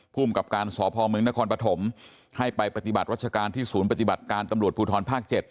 ภูมิกับการสพมนครปฐมให้ไปปฏิบัติรัชการที่ศูนย์ปฏิบัติการตำรวจภูทรภาค๗